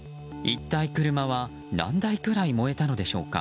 一体車は何台くらい燃えたのでしょうか。